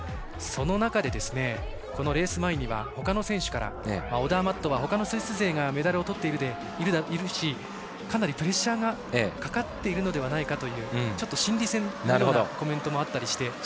その中で、レース前にはほかの選手からはオダーマットはほかのスイス勢がメダルをとっているしかなりプレッシャーがかかっているのではないかというちょっと心理戦のようなコメントもあったりして。